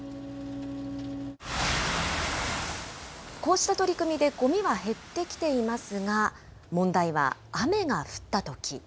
こうした取り組みでごみは減ってきていますが、問題は雨が降ったとき。